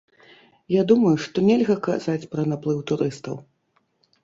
Я думаю, што нельга казаць пра наплыў турыстаў.